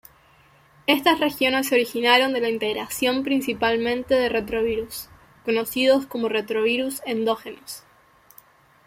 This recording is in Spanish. Estas regiones se originaron de la integración principalmente de retrovirus, conocidos como retrovirus endógenos.